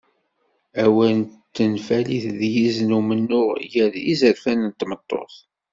Awal d tenfalit d yizen d umennuɣ ɣef yizerfan n tmeṭṭut.